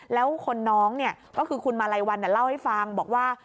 แล้วคนน้องคุณมาลัยวันเล่าให้ฟังบอกว่า